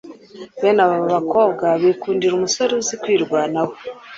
Bene aba bakobwa bikundira umusore uzi kwirwanaho